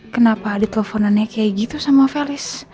kenapa di teleponannya kayak gitu sama felis